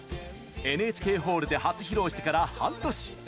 ＮＨＫホールで初披露してから半年。